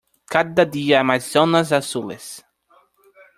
Cada día hay más zonas azules.